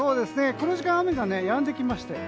この時間雨がやんできまして。